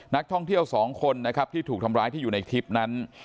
นักท่องเที่ยวสองคนนะครับที่ถูกทำร้ายที่อยู่ในคลิปนั้น